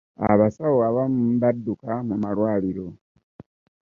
abasawo abamu badduka mu malwaliro.